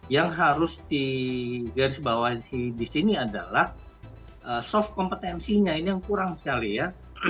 yang harus digarisbawahi di sini adalah soft kompetensinya ini yang kurang sekali ya